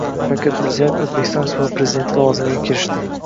Shavkat Mirziyoyev O‘zbekiston Respublikasi Prezidenti lavozimiga kirishding